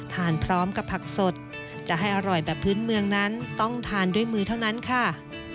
ทานพร้อมกับผักสดจะให้อร่อยแบบพื้นเมืองนั้นต้องทานด้วยมือเท่านั้นค่ะ